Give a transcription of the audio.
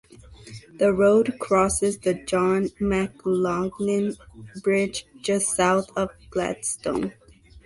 The road crosses the John McLoughlin Bridge just south of Gladstone.